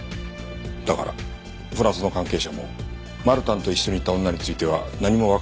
だからフランスの関係者もマルタンと一緒にいた女については何もわからないと言っている。